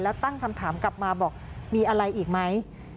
แล้วตั้งคำถามกลับมาบอกมีอะไรอีกไหม